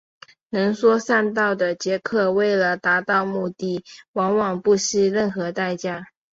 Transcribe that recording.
能说善道的杰克为了达到目的往往不惜任何代价。